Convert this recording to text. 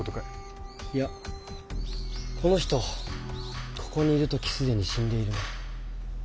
いやこの人ここにいるときすでに死んでいる。